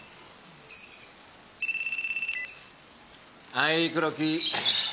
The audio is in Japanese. はい黒木。